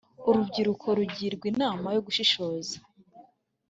Urubyiruko rugirwa inama yo gushishoza.